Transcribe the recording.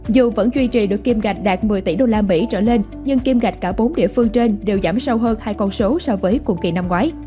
dù vẫn duy trì được kim ngạch đạt một mươi tỷ usd trở lên nhưng kim ngạch cả bốn địa phương trên đều giảm sâu hơn hai con số so với cùng kỳ năm ngoái